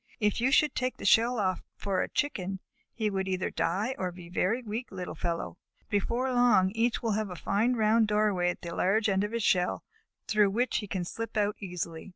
If you should take the shell off for a Chicken, he would either die or be a very weak little fellow. Before long each will have a fine round doorway at the large end of his shell, through which he can slip out easily."